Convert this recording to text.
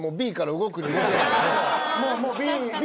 もうもう。